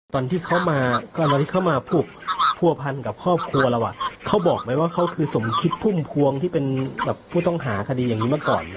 ตอนที่เขามาก็อันดับที่เขามาปลูกผัวพันธ์กับครอบครัวเราอ่ะเขาบอกไหมว่าเขาคือสมคิตพุ่งพวงที่เป็นแบบผู้ต้องหาคดีอย่างนี้เมื่อก่อนอะไร